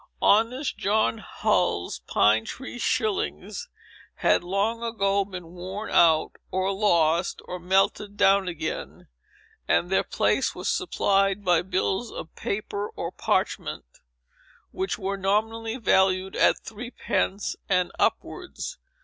Honest John Hull's pine tree shillings had long ago been worn out, or lost, or melted down again, and their place was supplied by bills of paper or parchment, which were nominally valued at three pence and upwards.